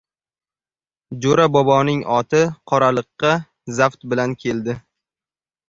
Jo‘ra boboning oti qoralikka zabt bilan keldi.